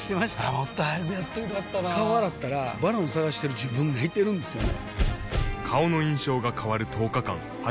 もっと早くやっといたら良かったなぁ顔洗ったら「ＶＡＲＯＮ」探してる自分がいてるんですよね